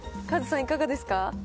カズさん、いかがですか？